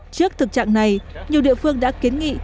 trước thực trạng này nhiều địa phương đã kiến nghị